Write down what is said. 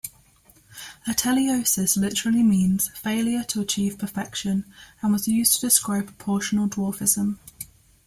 Ateliosis literally means "failure to achieve perfection", and was used to describe proportional dwarfism.